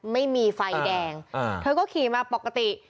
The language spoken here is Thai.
ไม่มีไฟแดงเธอก็ขี่มาปกติ